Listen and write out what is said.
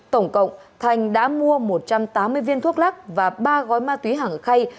tổng cộng thành đã mua một trăm tám mươi viên thuốc lắc và ba gói ma túy hàng ở khay